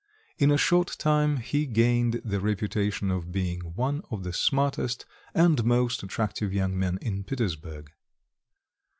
In a short time he gained the reputation of being one of the smartest and most attractive young men in Petersburg.